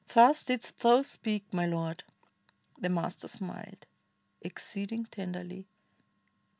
Thus didst thou speak, my Lord!" The Master smiled Exceeding tenderly.